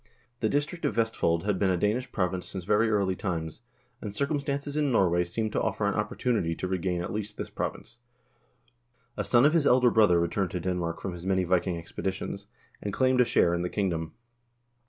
The district of Vestfold had been a Danish province since very early times, and circumstances in Norway seemed to offer an opportunity to regain at least this province. A son of his elder brother returned to Denmark from his many Viking expeditions, and claimed a share in the kingdom.